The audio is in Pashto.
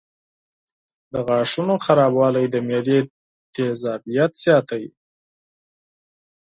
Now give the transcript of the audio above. د غاښونو خرابوالی د معدې تیزابیت زیاتوي.